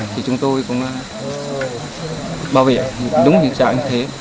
thì chúng tôi cũng bảo vệ đúng tình trạng như thế